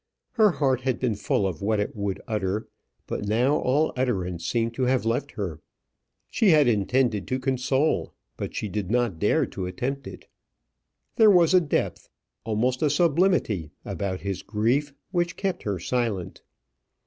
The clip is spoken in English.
Her heart had been full of what it would utter, but now all utterance seemed to have left her. She had intended to console, but she did not dare to attempt it. There was a depth, almost a sublimity about his grief which kept her silent.